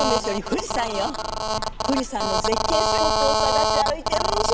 富士山の絶景スポットを探し歩いてうん十年。